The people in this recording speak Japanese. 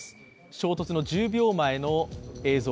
衝突の１０秒前の映像。